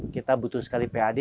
kita butuh sekali pad